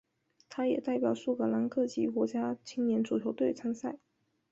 他也代表苏格兰各级国家青年足球队参赛。